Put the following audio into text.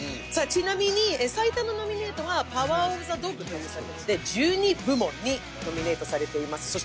ちなみに最多のノミネートは「パワー・オブ・ザ・ドッグ」で１２部門にノミネートされています。